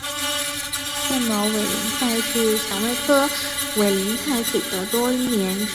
腺毛委陵菜是蔷薇科委陵菜属的多年生草本植物。